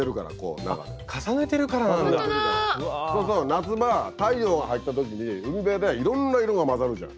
夏場太陽が入った時に海辺でいろんな色が混ざるじゃん。